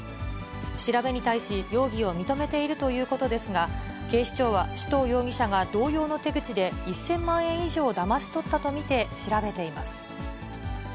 調べに対し、容疑を認めているということですが、警視庁は首藤容疑者が同様の手口で、１０００万円以上をだまし取ったと見て、調べています。